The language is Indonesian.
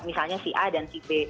misalnya si a dan si b